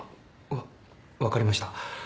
わ分かりました。